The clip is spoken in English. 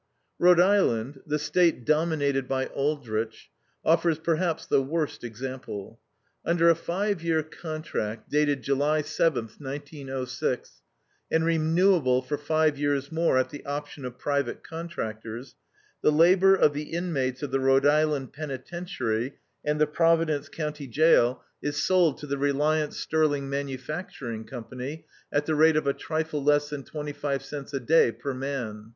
Rhode Island, the State dominated by Aldrich, offers perhaps the worst example. Under a five year contract, dated July 7th, 1906, and renewable for five years more at the option of private contractors, the labor of the inmates of the Rhode Island Penitentiary and the Providence County Jail is sold to the Reliance Sterling Mfg. Co. at the rate of a trifle less than 25 cents a day per man.